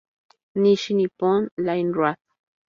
Nishi-Nippon Railroad